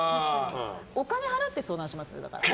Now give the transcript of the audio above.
お金払って相談します、だから。